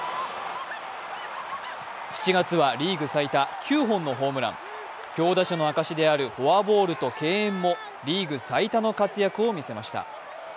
７月はリーグ最多、９本のホームラン強打者の証であるフォアボールと敬遠もリーグ最多の活躍を見せました。